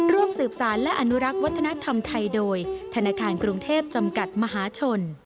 ร่วมสืบสารและอนุรักษ์วัฒนธรรมไทยโดยธนาคารกรุงเทพจำกัดมหาชน